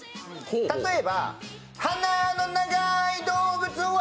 例えば、鼻の長い動物は？